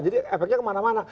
jadi efeknya kemana mana